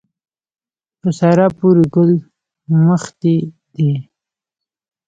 په سارا پورې ګل مښتی دی.